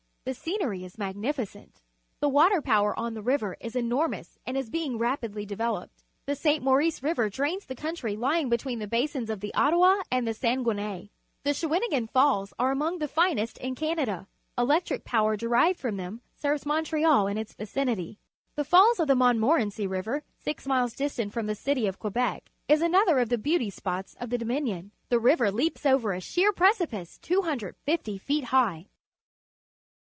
The scenery is magnificent. The water power on the river is enormous and is being rapidly developed. The St. Maurice River drains the country lying between the basins of the Ottawa and the Saguenaj^ The Shawinigan Falls are among EEe finest in Canada. Electric power derived from them serves Montreal and its vicinity. The Falls of the Montmorency River, six miles distant from the citj'of Quebec, is an other of the beaut3' .spots of the Dominion. The river leaps over a sheer precipice 250 feet high.